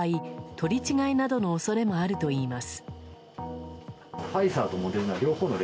取り違いなどの恐れもあるといいます。